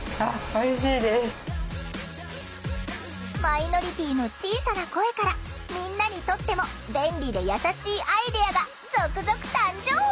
マイノリティーの小さな声からみんなにとっても便利で優しいアイデアが続々誕生！